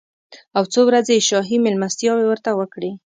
او څو ورځې یې شاهي مېلمستیاوې ورته وکړې.